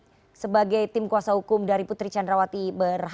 dan febri diansyah tadi sebagai tim kuasa hukum dari putri candrawati berkata